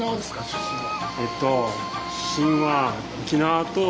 出身は。